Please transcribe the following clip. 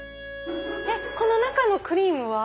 この中のクリームは？